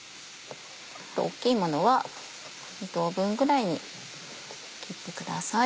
大きいものは２等分ぐらいに切ってください。